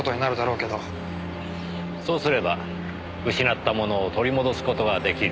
そうすれば失ったものを取り戻す事が出来る。